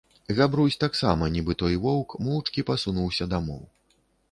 Габрусь таксама, нiбы той воўк, моўчкi пасунуўся дамоў.